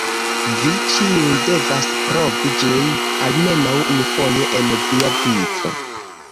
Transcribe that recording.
Vi ĉiuj devas provi ĝin, almenaŭ unufoje en via vivo.